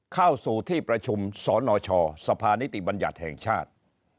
เข้าสู่ที่ประชุมสนชสภานิติบัญญัติแห่งชาติ